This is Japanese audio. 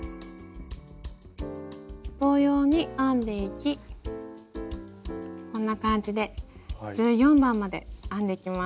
同様に編んでいきこんな感じで１４番まで編んでいきます。